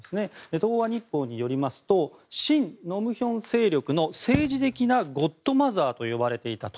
東亜日報によりますと親盧武鉉勢力の政治的なゴッドマザーと呼ばれていたと。